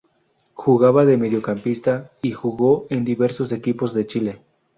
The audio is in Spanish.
Jugaba de mediocampista y jugó en diversos equipos de Chile.